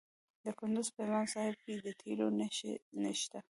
د کندز په امام صاحب کې د تیلو نښې شته.